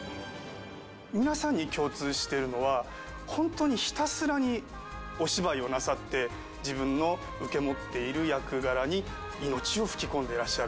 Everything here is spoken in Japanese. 皆さんに共通してるのは本当にひたすらにお芝居をなさって自分の受け持っている役柄に命を吹き込んでいらっしゃる。